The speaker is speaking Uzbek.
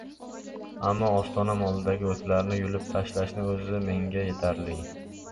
ammo ostonam oldidagi o‘tlarni yulib tashlashning o‘zi menga yetarli.